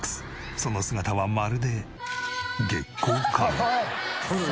その姿はまるで月光仮面。